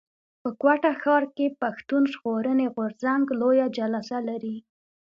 په کوټه ښار کښي پښتون ژغورني غورځنګ لويه جلسه لري.